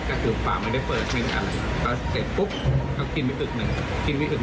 ก็คือฝากไม่ได้เปิดมาได้อ่ะเขาเสร็จปุ๊บกินไปอึกหนึ่ง